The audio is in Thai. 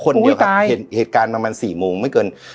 ถูกไม่แต่น่ะใครเห็นสักคนเดียวค่ะเหตุการณ์ประมาณสี่โมงไม่เกิน